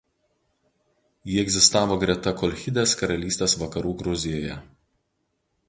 Ji egzistavo greta Kolchidės karalystės Vakarų Gruzijoje.